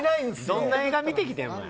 どんな映画見てきてん。